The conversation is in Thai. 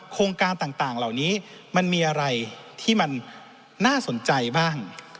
โครงการต่างเหล่านี้มันมีอะไรที่มันน่าสนใจบ้าง